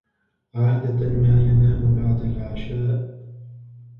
عادة ما ينام بعد العشاء.